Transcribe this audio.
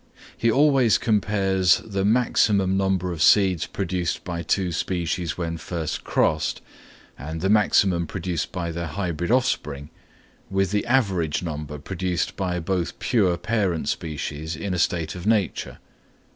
He always compares the maximum number of seeds produced by two species when first crossed, and the maximum produced by their hybrid offspring, with the average number produced by both pure parent species in a state of nature.